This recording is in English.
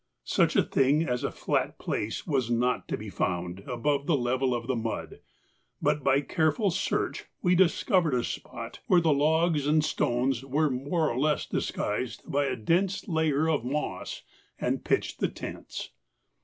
Such a thing as a flat place was not to be found above the level of the mud, but by careful search we discovered a spot where the logs and stones were more or less disguised by the dense layer of moss, and pitched the tents.